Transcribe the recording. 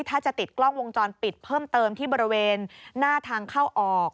ถ้าจะติดกล้องวงจรปิดเพิ่มเติมที่บริเวณหน้าทางเข้าออก